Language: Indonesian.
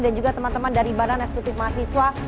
dan juga teman teman dari baran eskutif mahasiswa